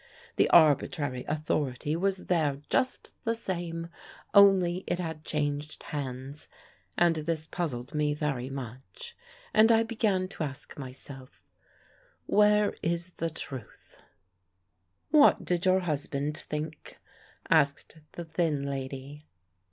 The arbitrary authority was there just the same, only it had changed hands, and this puzzled me very much, and I began to ask myself, 'Where is the truth?'" "What did your husband think?" asked the thin lady.